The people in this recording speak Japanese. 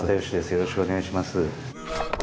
よろしくお願いします。